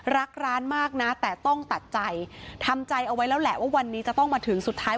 รักร้านมากนะแต่ต้องตัดใจทำใจเอาไว้แล้วแหละว่าวันนี้จะต้องมาถึงสุดท้าย